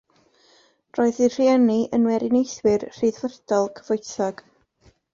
Roedd ei rhieni yn Weriniaethwyr Rhyddfrydol cyfoethog.